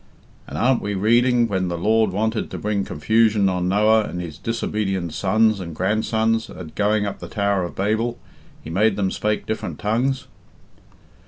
And aren't we reading, when the Lord wanted to bring confusion on Noah and his disobedient sons and grandsons at going up the Tower of Babel, he made them spake different tongues?"